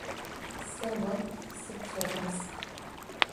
Se vo sıpferaz.